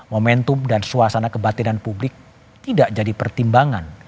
momentum dan suasana kebatinan publik tidak jadi pertimbangan